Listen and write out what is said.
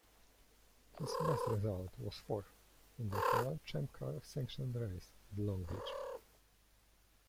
His best result was fourth, in the final Champ Car-sanctioned race at Long Beach.